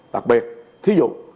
đặc biệt thí dụ